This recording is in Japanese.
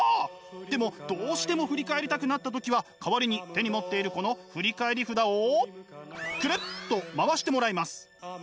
でもどうしても振り返りたくなった時は代わりに手に持っているこの振り返り札をくるっと回してもらいます。